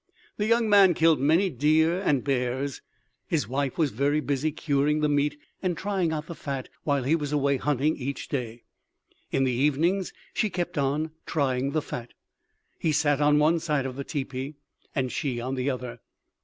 "The young man killed many deer and bears. His wife was very busy curing the meat and trying out the fat while he was away hunting each day. In the evenings she kept on trying the fat. He sat on one side of the teepee and she on the other.